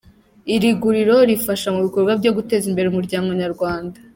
Iri guriro rifasha mu bikorwa byo guteza imbere umuryango Nyarwanda.